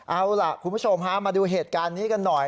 เอาล่ะคุณผู้ชมฮะมาดูเหตุการณ์นี้กันหน่อย